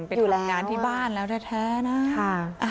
อยู่แล้วไปทำงานที่บ้านแล้วแท้แท้นะค่ะ